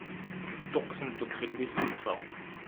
Ṭṭuqqtent-d fell-i tlufa.